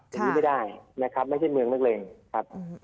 อย่างนี้ไม่ได้นะครับไม่ใช่เมืองนักเลงครับ